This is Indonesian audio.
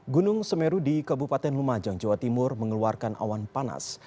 gunung semeru di kabupaten lumajang jawa timur mengeluarkan awan panas